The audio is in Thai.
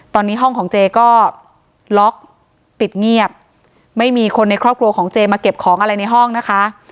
ตอนนี้ห้องของเจก็ล็อกปิดเงียบไม่มีคนในครอบครัวของเจมาเก็บของอะไรในห้องนะคะ